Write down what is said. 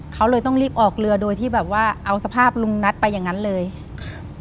เขาเลยต้องรีบออกเรือโดยที่แบบว่าเอาสภาพลุงนัทไปอย่างนั้นเลยครับ